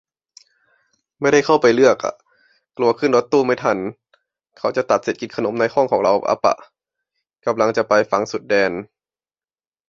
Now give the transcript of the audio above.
ไม่ได้เข้าไปเลือกอ่ะ กลัวขึ้นรถตู้ไม่ทัน เขาจะตัดสิทธิกินขนมในห้องของเราอ๊ะป่ะ กำลังจะไปฟังสุดแดน